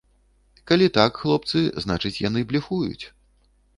Калі так, хлопцы, значыць, яны блефуюць.